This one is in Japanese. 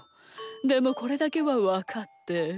でもこれだけはわかって。